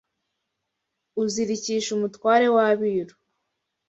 Uzirikisha Umutware w’Abiru